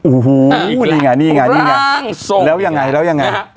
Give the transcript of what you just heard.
อู้หู้นี่ไงแล้วยังไง